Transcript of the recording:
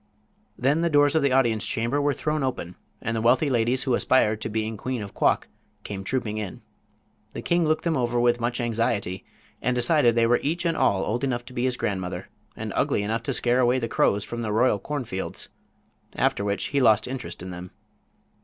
Then the doors of the audience chamber were thrown open, and the wealthy ladies who aspired to being queen of Quok came trooping in. The king looked them over with much anxiety, and decided they were each and all old enough to be his grandmother, and ugly enough to scare away the crows from the royal cornfields. After which he lost interest in them.